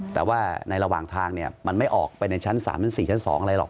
แต่ว่าในระหว่างทางเนี้ยมันไม่ออกไปในชั้นสามชั้นสี่ชั้นสองอะไรหรอก